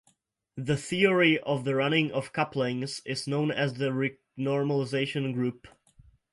The theory of the running of couplings is known as the renormalization group.